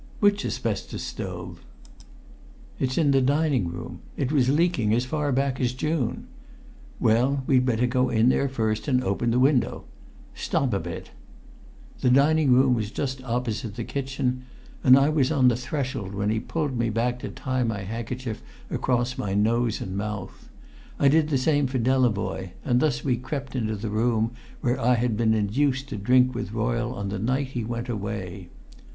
"Which asbestos stove?" "It's in the dining room. It was leaking as far back as June." "Well, we'd better go in there first and open the window. Stop a bit!" The dining room was just opposite the kitchen, and I was on the threshold when he pulled me back to tie my handkerchief across my nose and mouth. I did the same for Delavoye, and thus we crept into the room where I had been induced to drink with Royle on the night he went away.